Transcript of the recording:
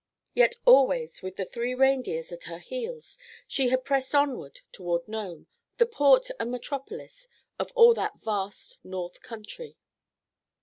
Yet always with the three reindeers at her heels, she had pressed onward toward Nome, the port and metropolis of all that vast north country.